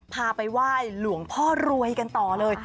พาไปไหว้หลวงพ่อรวยกันต่อเลย